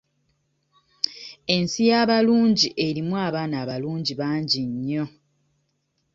Ensi y'abalungi erimu abaana abalungi bangi nnyo.